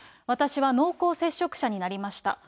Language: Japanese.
私は濃厚接触者になりました。